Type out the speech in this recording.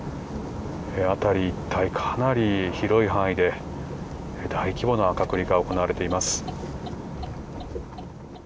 辺り一帯、かなり広い範囲で大規模な隔離が行われています。